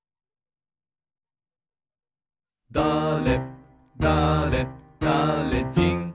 「だれだれだれじん」